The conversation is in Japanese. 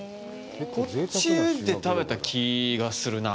こっちで食べた気がするなあ。